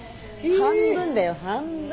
半分だよ半分。